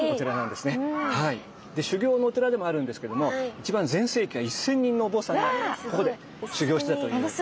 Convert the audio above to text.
修行のお寺でもあるんですけども一番全盛期は１，０００人のお坊さんがここで修行してたという所なんですね。